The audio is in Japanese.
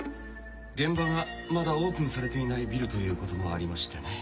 現場がまだオープンされていないビルということもありましてね。